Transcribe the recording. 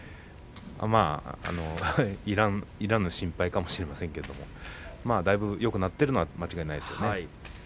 いらぬ心配かもしれませんがだいぶよくなっているのは間違いありませんね。